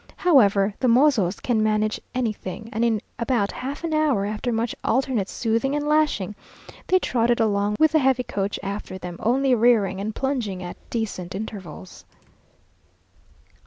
However, the mozos can manage anything, and in about half an hour, after much alternate soothing and lashing, they trotted along with the heavy coach after them, only rearing and plunging at decent intervals.